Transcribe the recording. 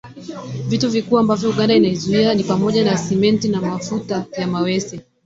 Vitu vikuu ambavyo Uganda inaiuza ni pamoja na Simenti na mafuta ya mawese